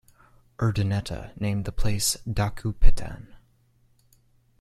Urdaneta named the place Daquepitan.